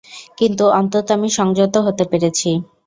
কিন্তু অন্তত আমি সংযত হতে পেরেছি।